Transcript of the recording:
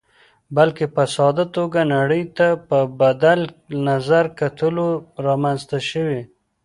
بلکې په ساده توګه نړۍ ته په بدل نظر کتلو رامنځته شوې.